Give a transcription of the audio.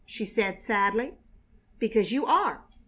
she said, sadly. "Because you are!"